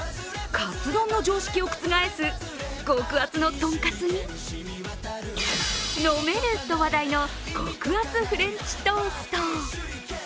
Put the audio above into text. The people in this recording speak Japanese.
カツ丼の常識を覆す極厚の豚カツに飲める！と話題の極厚フレンチトースト。